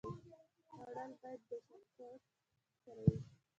خوړل باید د شکر سره وي